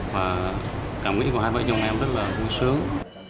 và cảm nghĩ của hai vợ chồng em rất là vui sướng